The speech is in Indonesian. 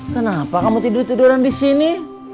kenapa kamu tidur tiduran disini